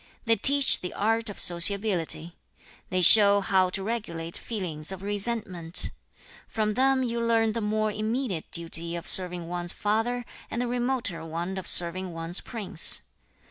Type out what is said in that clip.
4. 'They teach the art of sociability. 5. 'They show how to regulate feelings of resentment. 6. 'From them you learn the more immediate duty of serving one's father, and the remoter one of serving one's prince.